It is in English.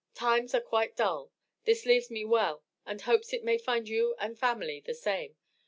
Times are quite dull. This leaves me well and hope it may find you and family the same.